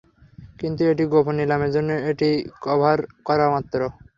কিন্তু এটি গোপন নিলামের জন্য এটি একটি কভার মাত্র।